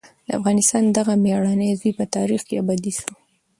د افغانستان دغه مېړنی زوی په تاریخ کې ابدي شو.